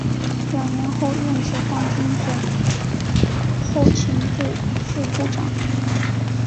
两年后任解放军总后勤部副部长。